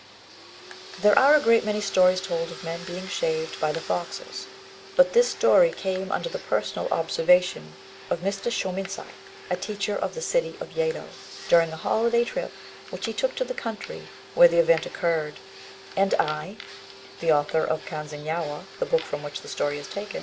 There are a great many stories told of men being shaved by the foxes; but this story came under the personal observation of Mr. Shôminsai, a teacher of the city of Yedo, during a holiday trip which he took to the country where the event occurred; and I have recorded it in the very selfsame words in which he told it to me.